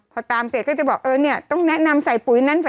พอตามเสร็จก็จะบอกต้องแนะนำใส่ปุ๋ยนั้น